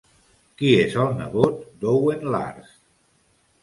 Qui és el nebot d'Owen Lars?